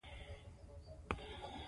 تاسو ولې زمونږ په ژبه نه پوهیږي؟